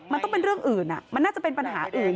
มันต้องเป็นเรื่องอื่นมันน่าจะเป็นปัญหาอื่น